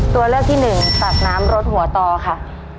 ตัวเลือกที่หนึ่งตักน้ำรสหัวต่อค่ะ